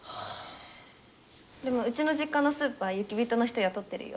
でもうちの実家のスーパー雪人の人雇ってるよ。